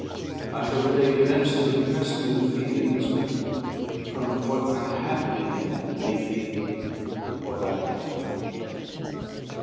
I shall relate events, that impressed me with feelings which, from what I had been, have made me what I am.